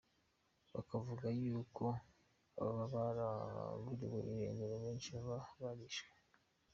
Bakavuga yuko ababa baraburiwe irengero kenshi baba barishwe.